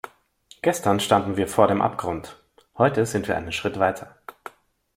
Gestern standen wir vor dem Abgrund, heute sind wir einen Schritt weiter.